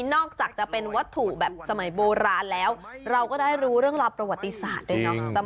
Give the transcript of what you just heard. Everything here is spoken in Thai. นอกจากจะเป็นวัตถุแบบสมัยโบราณแล้วเราก็ได้รู้เรื่องราวประวัติศาสตร์ด้วยเนาะ